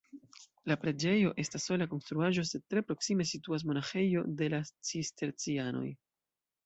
La preĝejo estas sola konstruaĵo, sed tre proksime situas monaĥejo de la cistercianoj.